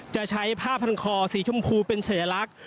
จะใช้ผ้าพันคอสีชมพูเป็นสัญลักษณ์